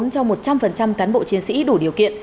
cho một trăm linh cán bộ chiến sĩ đủ điều kiện